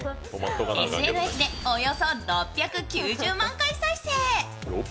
ＳＮＳでおよそ６９０万回再生。